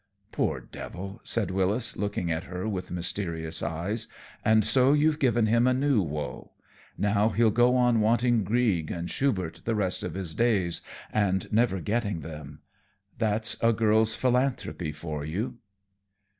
"Poor devil," said Wyllis, looking at her with mysterious eyes, "and so you've given him a new woe. Now he'll go on wanting Grieg and Schubert the rest of his days and never getting them. That's a girl's philanthropy for you!"